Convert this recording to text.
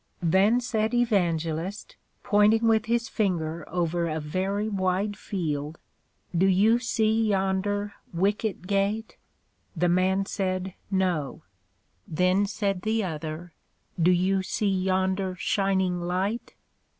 Then said Evangelist, pointing with his finger over a very wide field, Do you see yonder _Wicket gate? The Man said, No. Then sad the other, Do you see yonder shining Light?